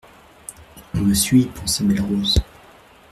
On me suit, pensa Belle-Rose.